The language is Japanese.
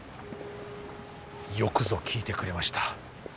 よくぞ聞いてくれました。